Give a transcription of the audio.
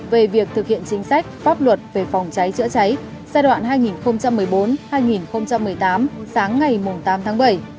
về việc thực hiện chính sách pháp luật về phòng cháy chữa cháy giai đoạn hai nghìn một mươi bốn hai nghìn một mươi tám sáng ngày tám tháng bảy